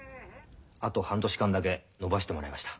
あと半年間だけ延ばしてもらいました。